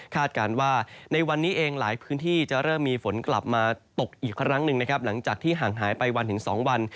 การว่าในวันนี้เองหลายพื้นที่จะเริ่มมีฝนกลับมาตกอีกครั้งหนึ่งนะครับหลังจากที่ห่างหายไปวันถึง๒วัน